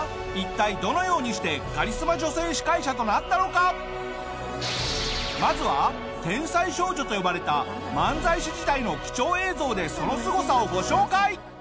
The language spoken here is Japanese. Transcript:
上沼さんは一体まずは天才少女と呼ばれた漫才師時代の貴重映像でそのすごさをご紹介！